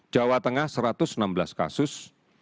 jawa tengah satu ratus enam belas kasus